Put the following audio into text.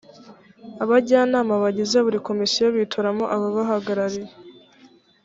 abajyanama bagize buri komisiyo bitoramo ababahagarariye